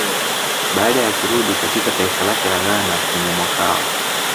Baada ya kurudi katika taifa lake la Ghana kwenye mwakawa